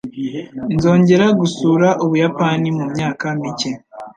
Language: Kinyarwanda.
Nzongera gusura Ubuyapani mumyaka mike.